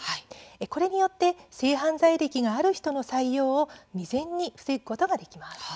これによって性犯罪歴がある人の採用を未然に防ぐことができます。